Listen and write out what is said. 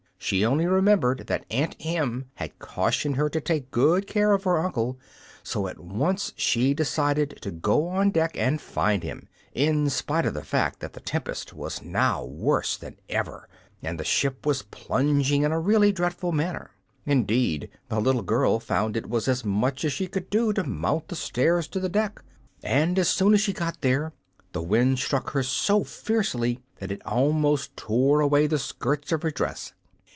She only remembered that Aunt Em had cautioned her to take good care of her uncle, so at once she decided to go on deck and find him, in spite of the fact that the tempest was now worse than ever, and the ship was plunging in a really dreadful manner. Indeed, the little girl found it was as much as she could do to mount the stairs to the deck, and as soon as she got there the wind struck her so fiercely that it almost tore away the skirts of her dress.